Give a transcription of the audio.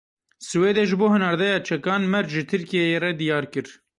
Swêdê ji bo hinardeya çekan merc ji Tirkiyeyê re diyar kir.